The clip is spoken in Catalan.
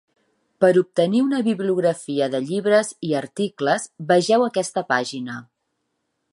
Per obtenir una bibliografia de llibres i articles, vegeu aquesta pàgina.